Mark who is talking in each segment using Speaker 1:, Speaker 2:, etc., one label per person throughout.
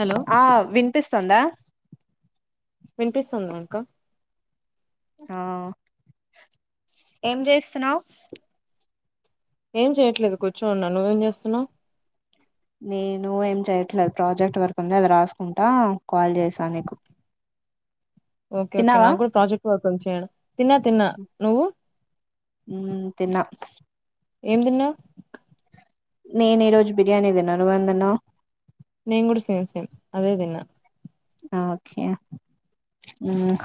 Speaker 1: Hello
Speaker 2: ఆ వినిపిస్తుంద
Speaker 1: వినిపిస్తుంద అక్క
Speaker 2: ఆ ఏం చేస్తున్నావ్
Speaker 1: ఏం చేయట్లేదు కూర్చోన్న నువ్వేం చేస్తున్నవ్
Speaker 2: నేను ఏం చెయట్లే ప్రాజెక్ట్ వర్క్ ఉంది అది రాసుకుంటా కాల్ చేస నీకు
Speaker 1: ఓకే ఓకే
Speaker 2: తిన్నావా
Speaker 1: నాకు కూడ ప్రాజెక్ట్ వర్క్ చేయడం తిన్నా తిన్నా నువ్వు
Speaker 2: ఉ తిన్న
Speaker 1: ఏం తిన్నావ్
Speaker 2: నేను ఈ రోజు బిర్యానీ తిన్నాను నువ్వేం తిన్నావ్
Speaker 1: నేను కూడ సేమ్ సేమ్ అదే తిన్నా
Speaker 2: ఓకే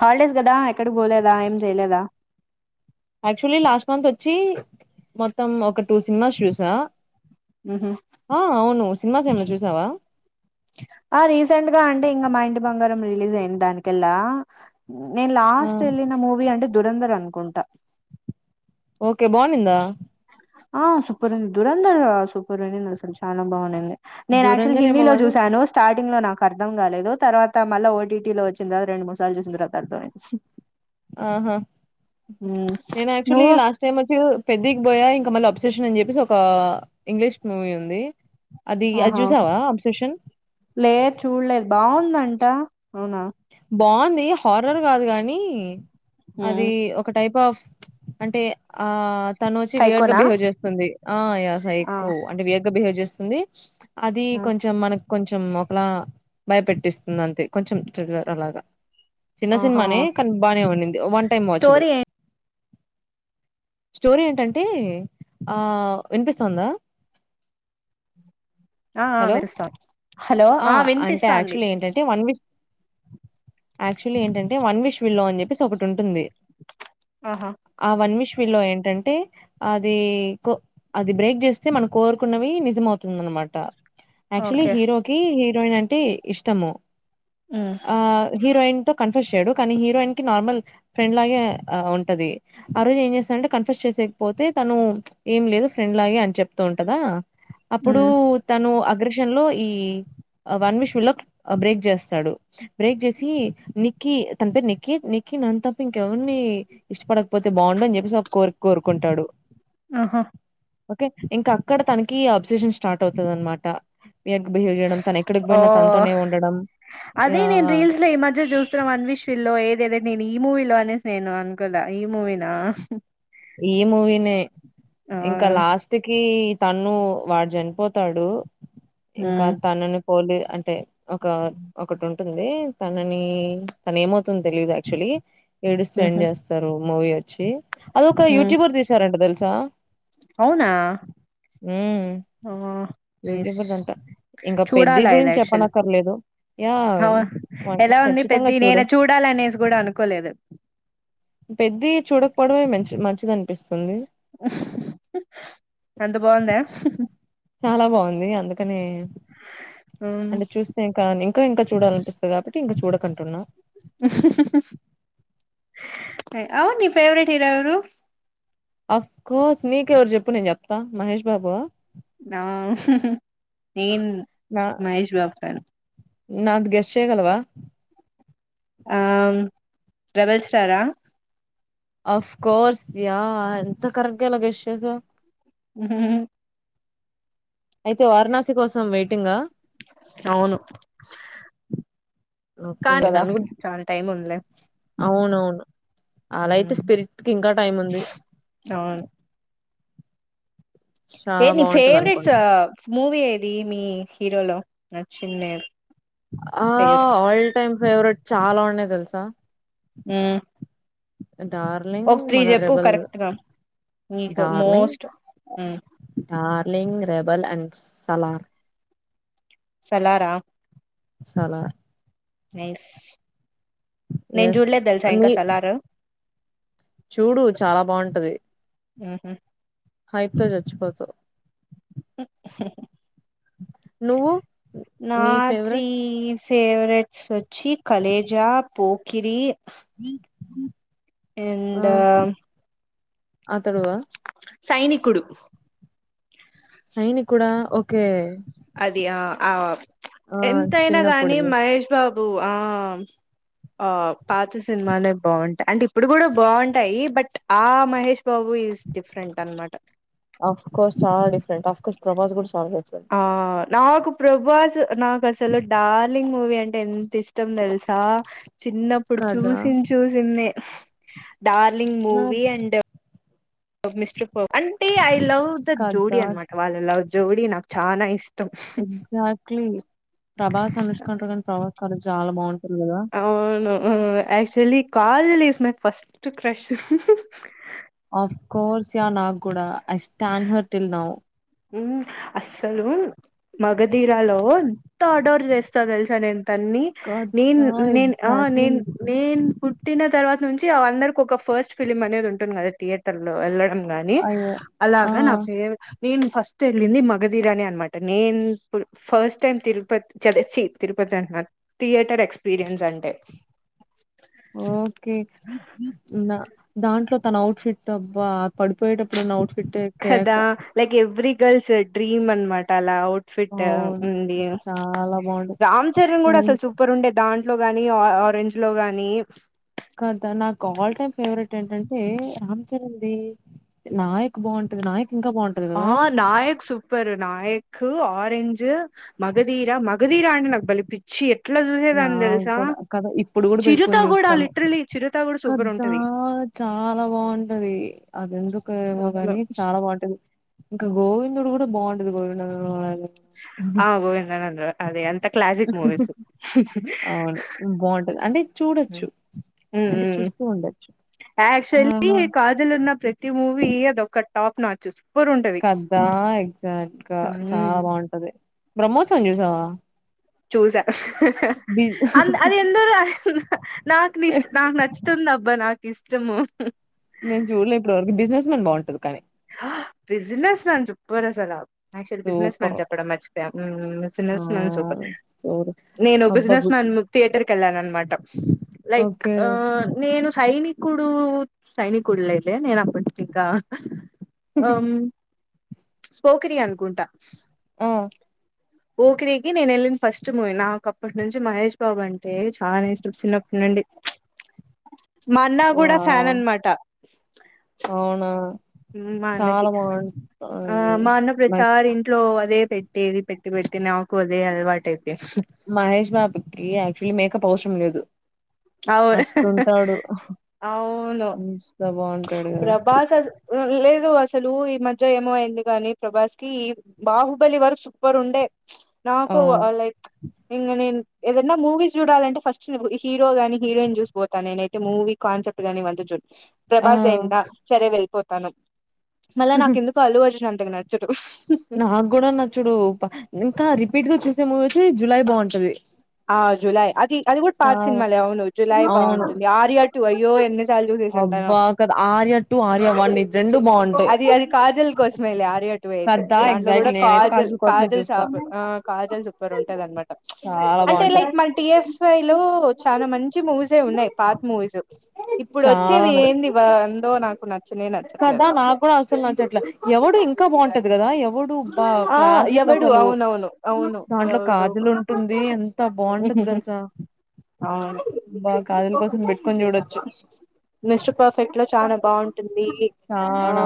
Speaker 2: హాలిడేస్ కదా ఎక్కడికి పోలేద ఏం చేయలేద
Speaker 1: యాక్చువల్లీ లాస్ట్ మంత్ వచ్చి మొత్తం ఒక టూ సినిమాస్ చూసా
Speaker 2: ఉహు
Speaker 1: ఆ అవును సినిమాస్ ఏమైన చూసావ
Speaker 2: ఆ రీసెంట్గా అంటే ఇంకా మా ఇంటి బంగారం రిలీజ్ అయింది దానికెల్లా నేన్
Speaker 1: ఆ
Speaker 2: లాస్ట్ ఏళ్ళిన మూవి అంటే దురంధర్ అన్కుంట
Speaker 1: ఓకే బానిందా
Speaker 2: ఆ సూపర్ ఉంది దురంధర్ సూపర్ ఉన్నింది అసలు చాలా బాఉన్నింది నేను యాక్చువల్
Speaker 1: దురంధర్ ఏమో
Speaker 2: హిందీలో
Speaker 1: గాని
Speaker 2: చూశాను స్టార్టింగ్ లో నాకు అర్థం కాలేదు తర్వాత మళ్ళ ఓటీటీలో వచ్చిన తర్వాత రెండు మూడు సార్లు చూసిన తర్వాత అర్థమైంది [inaudible]
Speaker 1: ఆహా
Speaker 2: ఉమ్
Speaker 1: నేను అక్చుయల్లీ
Speaker 2: నువ్వు
Speaker 1: లాస్ సమొచ్చ పెద్దికి పోయా ఇంకా మళ్ళీ అబ్సెషన్ అని చెప్పేసి ఒక ఇంగ్లీష్ మూవీ ఉంది అది అది చూసావా అబ్సెషన్
Speaker 2: లే చూడలేదు బాగుందంట అవునా
Speaker 1: బావుంది హారర్ కాదు కాని అది
Speaker 2: ఉమ్
Speaker 1: ఒక టైప్ ఆఫ్ అంటే ఆ తను వచ్చి వియర్డ్ గా
Speaker 2: సైకోనా
Speaker 1: బిహేవ్ చేస్తుంది ఆ ఇగ
Speaker 2: ఆ
Speaker 1: సైకో అంటే వియర్డ్ బిహేవ్ చేస్తుంది అది
Speaker 2: ఆ
Speaker 1: కొంచెం మన కొంచెం ఒకలా భయపెట్టిస్తుంది అంతే కొంచెం అలాగా చిన్న
Speaker 2: ఆహా
Speaker 1: సినిమానే కానీ బానే ఉన్నింది one time watchable
Speaker 2: a [inaudible]
Speaker 1: story ఏంటంటే ఆ వినిపిస్తుందా
Speaker 2: ఆ ఆ
Speaker 1: హలో!
Speaker 2: మెరుస్తా
Speaker 1: ఆ అంటే యాక్చువల్ ఏంటంటే వన్ వీక్ యాక్చువల్లీ ఏంటంటే వన్ విష్ విల్లో అని చెప్పేసి ఒకటి ఉంటుంది
Speaker 2: ఆహా
Speaker 1: ఆ వన్ విష్ విల్లో ఏంటంటే అది కో అది బ్రేక్ చేస్తే మనం కోరుకున్నవి నిజమవుతుందని అనమాట యాక్చువలీ
Speaker 2: ఓకే
Speaker 1: హీరోకి హీరోయిన్ అంటే ఇష్టము
Speaker 2: ఉమ్
Speaker 1: ఆ హీరోయిన్ తో కన్ఫిష్ చేయడు కానీ హీరోయిన్ కి నార్మల్ ఫ్రెండ్ లాగే ఆ ఉంటది ఆ రోజు ఏం చేస్తానంటే కన్ఫ్యూస్ చేసయకపోతే తను ఏం లేదు ఫ్రెండ్ లాగా అని చెప్తూ ఉంటదా అప్పుడు
Speaker 2: ఉమ్
Speaker 1: తను అగ్రషన్ లో ఈ వన్ విష్ విలో బ్రేక్ చేస్తాడు. బ్రేక్ చేసి నిక్కీ తన పేరు నిక్కీ నిక్కీ నన్ను తప్ప ఇంకెవరిని ఇష్టపడకపోతే బాగుండు అని చెప్పేసి ఒక కోరిక కోరుకుంటాడు.
Speaker 2: ఆహా
Speaker 1: ఓకే ఇంకా అక్కడ తనకి అబ్సేషన్ స్టార్ట్ అవుతుంది అనమాట య బిహేవ్ చేయడం తనెక్కడికి
Speaker 2: ఓ
Speaker 1: పోయినా తనతోనే ఉండడం.
Speaker 2: అదే నేను
Speaker 1: యాహ్!
Speaker 2: రీల్స్ లో ఈ మధ్య చూస్తున్నాం అన్విష సిలో ఏదేది నేను ఈ మూవీలో అనేసి నేను అనుకోలే ఈ మూవీ నా
Speaker 1: ఈ మూవీనే
Speaker 2: ఆ
Speaker 1: ఇంకా లాస్ట్ ఇతకి తను వాడు చనిపోతాడు ఇంకా
Speaker 2: హ్మ్
Speaker 1: తనను పోలి అంటే ఒక ఒకటి ఉంటుంది తనని తను ఏమవుతుంది తెలీదు యాక్చుయలీ ఏడిస్తే ఏం
Speaker 2: ఊహూ
Speaker 1: చేస్తారు మూవీ వచ్చి అది ఒక
Speaker 2: హ్మ్
Speaker 1: యూట్యూబర్ తీసారంట తెలుసా
Speaker 2: అవునా
Speaker 1: మ్
Speaker 2: ఆ నైస్
Speaker 1: యూట్యూబర్ అంత ఇంకా పెద్దీ
Speaker 2: చూడాలా ఇది
Speaker 1: గురించి
Speaker 2: యాక్చువల్లీ
Speaker 1: చెప్పనక్కరలేదు యా
Speaker 2: అవ
Speaker 1: వన్
Speaker 2: ఎలా ఉంది
Speaker 1: ఖచ్చితంగా
Speaker 2: పెద్ది నేను
Speaker 1: చూడు
Speaker 2: చూడాలనేసి కూడా అనుకోలేదు
Speaker 1: పెద్ది చూడకపోవడమే మంచి మంచిదనిపిస్తుంది.
Speaker 2: అంత బావుందా
Speaker 1: చాలా బాంది అందుకనే
Speaker 2: హ్మ్
Speaker 1: అంటే చూస్సెక ఇంకా ఇంకా చూడాలనిపిస్తుంది కాబట్టి ఇంకా చూడకంటున్నా
Speaker 2: అవును నీ ఫేవరెట్ హీరో ఎవరు
Speaker 1: అఫ్కోర్స్ నీకెవరు చెప్పు నేను చెప్తా మహేష్ బాబా
Speaker 2: అ నేన్
Speaker 1: నా
Speaker 2: మహేష్ బాబు ఫ్యాన్
Speaker 1: నాది గెస్ట్ చేయగలవా
Speaker 2: ఆమ్ రెబల్ స్టారా
Speaker 1: అఫ్కోర్స్ యా అంత కరెక్ట్గా ఎలా గెస్ చేసావ్
Speaker 2: మహాహా
Speaker 1: అయితే వారణాసి కోసం వేయిటింగా
Speaker 2: అవును
Speaker 1: ఓకే
Speaker 2: కాని కద
Speaker 1: నన్ను కూడా
Speaker 2: చానా టైమ్ ఉందిలే
Speaker 1: అవునవును అలా అయితే
Speaker 2: ఉమ్,
Speaker 1: స్పిరిట్కి ఇంకా టైం ఉంది
Speaker 2: అవును ఏ
Speaker 1: చాలా
Speaker 2: నీ
Speaker 1: బాగుంటది
Speaker 2: ఫేవరెట్స్
Speaker 1: అనుకుంటా
Speaker 2: ఆ మూవీ ఏది మీ హీరోలో నచ్చింది
Speaker 1: ఆ
Speaker 2: ఫేవరెట్
Speaker 1: ఆల్ టైమ్ ఫేవరెట్ చాలా ఉన్నాయి తెలుసా
Speaker 2: హ్మ్
Speaker 1: డార్ లింగ్ మల్ల
Speaker 2: చెప్పు
Speaker 1: రెబల్
Speaker 2: కరెక్ట్ గా నీకు
Speaker 1: darling
Speaker 2: most um,
Speaker 1: darling rebel and Salaar
Speaker 2: సలారా
Speaker 1: సలార్
Speaker 2: నైస్ నేను
Speaker 1: ఎస్
Speaker 2: చూడ్లే తెలుసా ఇంకా
Speaker 1: నీ
Speaker 2: సలారు
Speaker 1: చూడు చాలా బావుంటది
Speaker 2: ఉహు.
Speaker 1: హైతో చచ్చిపోతవ్ నువ్వు నీ
Speaker 2: నాత్రీ
Speaker 1: ఫేవరెట్
Speaker 2: ఫేవరెట్స్ వచ్చి కలేజ పోకిరి అండ్
Speaker 1: అతడు ఆ
Speaker 2: సైనికుడు
Speaker 1: సైనికుడా ఒకే
Speaker 2: అది ఆ ఆ ఎంతయినా గాని
Speaker 1: చిన్నప్పుడుది
Speaker 2: మహేష్ బాబు ఆ ఆ పాత సినిమానే బావుంటాయి అంటే ఇప్పుడు కూడా బావుంటాయి బట్ ఆ మహేష్ బాబు ఈస్ డిఫరెంట్ అనమాట
Speaker 1: అఫ్కోర్స్ చాలా డిఫరెంట్ ఆఫ్కోర్స్ ప్రభస్ కూడా చాలా డిఫెంట్
Speaker 2: ఆ నాకు ప్రభాస్ నాకు అసలు డార్లింగ్ మూవీ అంటే ఎంత ఇష్టం తెలుసా చిన్నప్పుడు
Speaker 1: కదా
Speaker 2: చూసిన్ చూసినే డార్లింగ్
Speaker 1: నా
Speaker 2: మూవీ అండ్ మిస్టర్ పర్ఫెక్ట్ అంటే ఐ లవ్ ద జోడీ
Speaker 1: కదా
Speaker 2: అనమాట వాళ్ళ లవ్ జోడీ నాకు చాలా ఇష్టం
Speaker 1: ఎగ్జాక్ట్లీ ప్రభాస్ అనుష్క ఉంటారు కానీ ప్రభాస్ కద చాలా బావుంటుందిగ
Speaker 2: అవును actually Kajol is my first crush
Speaker 1: of course yeah నా కూడా I stand her till now
Speaker 2: um అస్సలు మగధీరాలో ఎంత ఆర్డోర్ చేస్తా తెలుసా తన్ని నేన్
Speaker 1: కదా
Speaker 2: నేన్ ఆ
Speaker 1: ఎగ్జాక్ట్లీ
Speaker 2: నేన్ నేన్ పుట్టిన తర్వాత నుంచి అ అందరిక ఒక ఫస్ట్ ఫిలిమ్ అనేది ఉంటుంది కదా థియే టర్లో వెళ్ళడం గాని అలాగా నా ఫె నేన్ నేను ఫస్ట్ ఎళ్ళింది మగధీరానే అనమాట నేన్ ఇప్పుడ్ ఫస్ట్ టైమ్ తిరుపతి చ చ్చి తిరుపతి అంటు థియేటర్ ఎక్స్పీరియన్స్ అంటే
Speaker 1: ఓకే దాంట్లో తన అఔట్ఫిట్ డబ్బా పడిపోయేటప్పుడు అవుట్ ఫిట్
Speaker 2: కదా
Speaker 1: కేక
Speaker 2: లైక్ ఎవ్రీ గర్ల్స్ డ్రీమ్ అనమాట అలా ఫిట్
Speaker 1: అవును
Speaker 2: ఉంది
Speaker 1: చాలా బాగుంటది.
Speaker 2: రామ్ చరణ్ కూడా అసలు
Speaker 1: తనంత
Speaker 2: సూపర్ ఉండే దాం లో గాని ఆరెంజ్ లో గాని
Speaker 1: కా నాకు ఆల్ టైమ్ ఫేవరెట్ ఏంటంటే రామ్ చరణ్ నాయక్ బాగుంటది నాయక్ ఇంకా బాగుంట
Speaker 2: ఆ నాయక్ సుప్ ఇరు నాయకు ఆరెంజు మగధీర మగధీరా నాకు బాలే పి చి ఎట్లా చూసేదాని
Speaker 1: నాకు
Speaker 2: తెలుసా
Speaker 1: కూడా కథ ఇప్పుడు కూడా
Speaker 2: చిరుత
Speaker 1: పెట్టుకొని
Speaker 2: కూడా
Speaker 1: చూస్తాము.
Speaker 2: లిటరలీ చిరుత కూడా సూపర్
Speaker 1: కదా!
Speaker 2: ఉంటది
Speaker 1: చాలా బాగుంటది అది ఎందుకుమో
Speaker 2: అవును
Speaker 1: గాని చాలా బాగుంటది ఇంకా గోవిందుడు కూడా బాగుండది గోవింద
Speaker 2: ఆ గోవిందనంద అదే ఎంత క్లాసిక్ మూవీసు
Speaker 1: అవును. బాగుంటది అంటే చూడొచ్చు.
Speaker 2: ఉ
Speaker 1: అంటే
Speaker 2: ఉఉ
Speaker 1: చూస్తూ ఉండొచ్చు.
Speaker 2: యాక్చువల్లీ కా
Speaker 1: ఆ!
Speaker 2: ప్రజలున్న ప్రతి మూవీ అదొ ఒక టాప్ నచ్చు సూపర్ ఉంటది
Speaker 1: ఎగ్జాక్ట్ గా చాలా
Speaker 2: హ్మ్
Speaker 1: బాగుంటది బ్రహ్మోత్సవం చూసావా
Speaker 2: చూసా
Speaker 1: బి
Speaker 2: అ అది ఎందరు నాకు నీ నాకు నచ్చ అందబ్బా నాకు ఇష్టము
Speaker 1: నేను చూడలే ఇప్పటివరకు బిజినెస్ మన్ బాగుంటది కానీ
Speaker 2: ఆ business [unintelligible] actually business men
Speaker 1: super
Speaker 2: చెప్పడం మర్చిపోయా
Speaker 1: ఆ
Speaker 2: సూపర్
Speaker 1: సూర్
Speaker 2: నేను బిజినెస్
Speaker 1: అబ్బబ్బు
Speaker 2: మెన్ థియేటర్ కి వెళ్ళాను అనమాట లైక్
Speaker 1: ఓకే
Speaker 2: ఆ నేను సైని కుడు సైని కు ఉళ్ల ఇతే నేన్ అప్పంటంకా ఆ పోకిరి అనుకుంటా
Speaker 1: ఆ
Speaker 2: ఓరికి నేను వెళ్ళిన ఫస్ట్ మూవీ నాకు అప్పటి నుంచి మహేష్ బాబు అంటే చాలా ఇష్టం చిన్న నుండి మా అన్న కూడా ఫ్యాన్
Speaker 1: వావ్
Speaker 2: అనమాటా
Speaker 1: అవునా
Speaker 2: మా అన్నకి
Speaker 1: చాలా
Speaker 2: ఆ
Speaker 1: బాగుంటాది
Speaker 2: మా అన్న ప్రచారిం ఇంట్లో అదే పెట్టిది పెట్టి పెట్టి నాకు అదే అలవాటు అయిపోయింది
Speaker 1: మహేష్ బాబుకిి యాక్చువల్లీ మేకప్ అవసరం లేదు
Speaker 2: అవును
Speaker 1: అట్టుంటాడు
Speaker 2: అవును
Speaker 1: ఎంత బాగుంటాడు కదా
Speaker 2: ప్రభాస్ అస లేదు అసలు ఈ మధ్య ఏమో అయింది కాగానీ ప్రభాస్ కి బాహుబలి వరకు సుపర్ ఉండే
Speaker 1: ఆ
Speaker 2: నాకు లైక్ ఇం నేను ఏదన్నా మూవీస్ చూడాలంటే ఫస్ట్ హీరో గానీ హీరోయిన్ చూసి పోతాను నేనైతే మూవీ కాన్సెప్ట్ నీ వంచు
Speaker 1: ఆ
Speaker 2: ప్రభాస్ సన్ సరే వెళ్ళిపోతాను మళ్ళా నాకు ఎందుకు అల్లు అర్జున్ అంతకు నచ్చడు
Speaker 1: నాకు కూడా నచ్చుడు ఇంకా రిపీట్ గా చూసే మూవీ వచ్చి జులై బాగుంటది
Speaker 2: ఆ జులై అది అది కూడా పాార్
Speaker 1: చాలా
Speaker 2: సినిమా లేవును జులై
Speaker 1: అవును
Speaker 2: బాగుంటుంది ఆర్యా టు అయ్యో ఎన్నిసార్లు చూసే ఉంటా
Speaker 1: అబ్బా కదా ఆర్య టు ఆర్య వన్ ఇ
Speaker 2: అది అది కాజల్ కోసమేలే ఆర్యా టు వేయిట్
Speaker 1: కదా
Speaker 2: దాంట్లో కూడా
Speaker 1: ఎగ్జాక్ట్లీ నేనైతే
Speaker 2: కాజల్
Speaker 1: కోసమే
Speaker 2: కాజల్
Speaker 1: చూస్తా
Speaker 2: చాపర్ కాజల్ సూపర్ ఉంటది అన్నమా
Speaker 1: చాలా
Speaker 2: అంటే
Speaker 1: బాగుంటది
Speaker 2: లైక్ మన టిఎఫ్ఐ లో చాలా మంచి మూవీస్ ఏ ఉన్నాయి పాత్ మూవీస్ ఇప్పుడు
Speaker 1: చాలా
Speaker 2: వచ్చేవి
Speaker 1: ఉన్నాయి
Speaker 2: ఏంటి వా అందో నాకు నచ్చనే నచ్చట్లే
Speaker 1: కదా నాకు కూడా అసలు నచ్చట్లే ఎవడు ఇంకా బాగుంటది కదా ఎవడు వావ్
Speaker 2: ఆ!
Speaker 1: క్లాసిక్
Speaker 2: 'ఎవడు'
Speaker 1: అసలు
Speaker 2: అవునవును. అవును.
Speaker 1: దాంట్లో
Speaker 2: 'ఎవడు'
Speaker 1: కాజల్ ఉంటుంది ఎ త బాగుంటుంది
Speaker 2: హుహుహు.
Speaker 1: తెలుసా
Speaker 2: అవును
Speaker 1: బా కాజల్ కోసం పెట్టుకొని చూడొ
Speaker 2: మిస్టర్ పర్ఫెక్ట్ లో చానా బాగుంటుంది ఆ
Speaker 1: చానా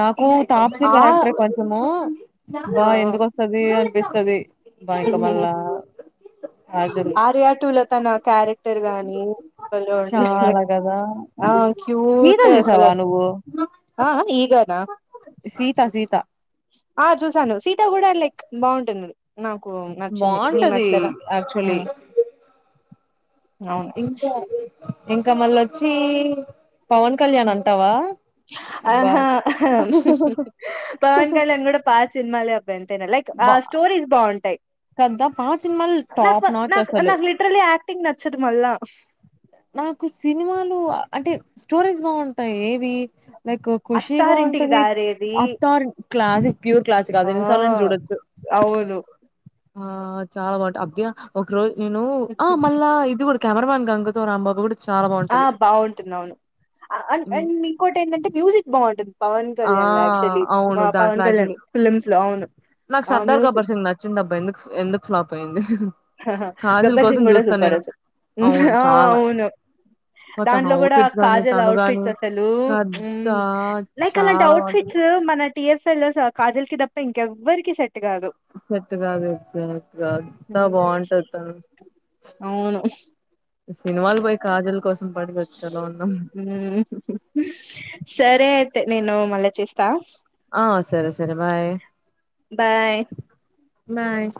Speaker 1: నాకు తాప్సీ క్యారెక్టర్ కొంచము
Speaker 2: ఆ!
Speaker 1: బా ఎందుకోస్తది అనిపిస్తది వా ఇంకా
Speaker 2: ఆ!
Speaker 1: మళ్ళ
Speaker 2: ఆర్య టూలో తన క్యారెక్టర్ గాని భలే ఉంది
Speaker 1: ఆలగదా
Speaker 2: ఆ క్యూట్ అసలా ఆ ఆ ఈ
Speaker 1: సీత సీత
Speaker 2: ఆ చూసాను సీత కూడా లైక్ బాగుంటుంది నాకు నచ్చింది నీకు
Speaker 1: బాగుంటది
Speaker 2: నచ్చలేదా ఉ
Speaker 1: యాక్చువలీ ఇంకా ఇంకా మళ్ళొచ్చి పవన్ కళ్యాణ్ అంటావా అబ్బా
Speaker 2: ఆహా పవన్ కళ్యాణ్ కూడా పాత సినిమాలే ఎంతైన లైక్
Speaker 1: బా
Speaker 2: స్టోరీస్ బాగుంటాయి
Speaker 1: కదా పాత సినిమాలు
Speaker 2: నాక్
Speaker 1: టాప్ నాచ్ అసలు
Speaker 2: నాకు లి ట్రల్లి ఆక్టింగ్ నచ్చదు మళ్ళ
Speaker 1: నాకు సినిమాలు అంటే స్టోరీస్ బాగుంటాయి ఏవి లైక్ ఖుషి
Speaker 2: అత్తారింటికి
Speaker 1: బాగుంటది
Speaker 2: దారేది
Speaker 1: అత్త క్లాసిక్ ప్యూర్ క్లాసిక్
Speaker 2: ఆ
Speaker 1: అది ఎన్ని సార్లైనా చూడొచ్చు
Speaker 2: అవును
Speaker 1: ఆ చాలా బాట అబ్య ఒక రోజు నేను ఆ మళ్ళా ఇది కూడా కెమెరామ్యాన్ గంగ తో రాంబాబు చాలా
Speaker 2: ఆ
Speaker 1: బావుంటది.
Speaker 2: బాగుంటుంది అవును
Speaker 1: హ్మ్.
Speaker 2: అండ్ ఇంకోటి ఏంటంటే మ్యూజిక్ బాగుంటుంది పవన్
Speaker 1: ఆ!
Speaker 2: కళ్యాణ్ లో యాక్చువల్లీ
Speaker 1: అవును.
Speaker 2: మా
Speaker 1: దాంట్లో
Speaker 2: పవన్ కళ్యాణ్
Speaker 1: యాక్చువల్లీ
Speaker 2: ఫిలిమ్స్ లో అవును ఆ మ్యూజిక్
Speaker 1: వచ్చింది అబ్బా ఎందుకు ఎందుకు ఫ్లాప్ అయ్యింది
Speaker 2: హా గబ్బర్ సింగ్ కూడా సూపర్ అసలు
Speaker 1: అవును.
Speaker 2: ఆ
Speaker 1: చాలా.
Speaker 2: అవును
Speaker 1: తన
Speaker 2: దాంట్లో గూడా
Speaker 1: ఔట్‌ఫిట్స్ గాని,
Speaker 2: కాజల్
Speaker 1: తను గాని,
Speaker 2: అవుట్ఫిట్స్ అసలు
Speaker 1: కథ
Speaker 2: హుమ్ లైక్ అలాంటి
Speaker 1: చాలా
Speaker 2: అవుట్
Speaker 1: బావుంటది.
Speaker 2: ఫిట్స్ మన టిఎఫ్ఎ లో కాజల్ కి తప్ప ఇంకెవ్వరికి సెట్టు కాదు
Speaker 1: సెట్ కాదు సెట్ కా ఎంత
Speaker 2: హ్మ్.
Speaker 1: బాగుంటది తను
Speaker 2: అవును
Speaker 1: సినిమాలు పోయి కాజల్ కోసం పడిసచ్చేలా ఉన్నాం
Speaker 2: హుమ్ సరే అయితే నేను మళ్ళ చేస్తా
Speaker 1: ఆ సరే సరే బాయ్
Speaker 2: బాయ్
Speaker 1: బాయ్